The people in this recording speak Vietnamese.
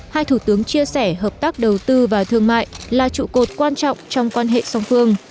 hai thủ tướng chia sẻ hợp tác đầu tư và thương mại là trụ cột quan trọng trong quan hệ song phương